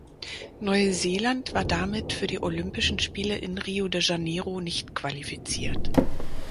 Neuseeland war damit für die Olympischen Spiele in Rio de Janeiro nicht qualifiziert.